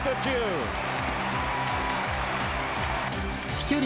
飛距離